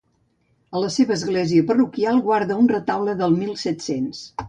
A la seva església parroquial guarda un retaule del mil set-cents.